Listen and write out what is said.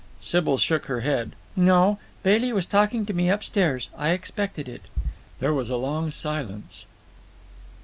Sybil shook her head. "No. Bailey was talking to me upstairs. I expected it." There was a long silence.